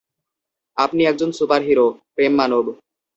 আপনি একজন সুপারহিরো, প্রেম মানব।